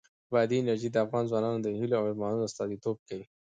بادي انرژي د افغان ځوانانو د هیلو او ارمانونو استازیتوب کوي.